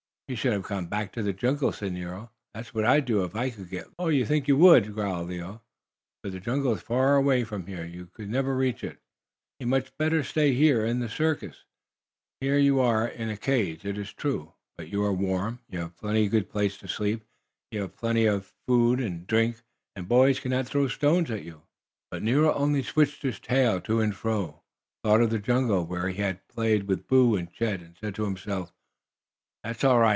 "He should have gone back to the jungle," said Nero. "That's what I'd do if I could get loose." "Oh, you think you would!" growled Leo. "But the jungle is far away from here. You could never reach it. No, you had much better stay here in the circus, Nero. Here you are in a cage, it is true, but you are warm, you have a good place to sleep, you have plenty to eat and drink, and boys can not throw stones at you." But Nero only switched his tail to and fro, thought of the jungle where he had played with Boo and Chet, and said to himself: "That's all right.